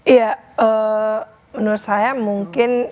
iya menurut saya mungkin